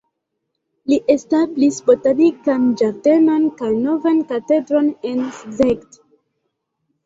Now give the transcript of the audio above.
Li establis botanikan ĝardenon kaj novan katedron en Szeged.